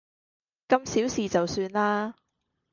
咁小事就算啦